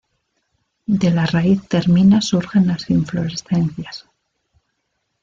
De la raíz termina surgen las inflorescencias.